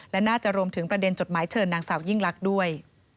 และน่าจะรวมถึงประเด็นจดหมายเชิญนางสาวยิ่งลักษณ์ด้วย